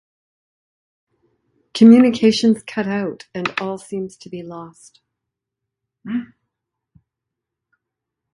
Communications cut out, and all seems to be lost.